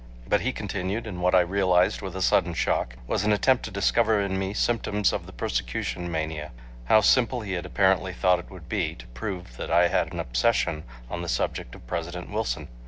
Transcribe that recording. But he continued in what I realized with a sudden shock, was an attempt to discover in me symptoms of the persecution mania. How simple he had apparently thought it would be, to prove that I had an obsession on the subject of President Wilson!